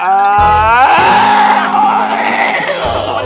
pak d boleh